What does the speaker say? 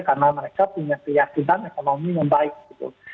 karena mereka punya keyakinan ekonomi yang baik gitu